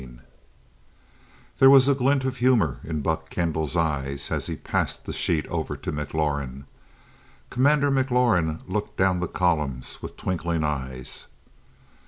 IV There was a glint of humor in Buck Kendall's eyes as he passed the sheet over to McLaurin. Commander McLaurin looked down the columns with twinkling eyes.